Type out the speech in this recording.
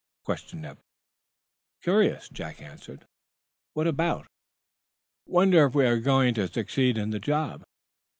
questioned Eph. "Curious," Jack answered. "What about?" "Wondering if we were going to succeed in the job."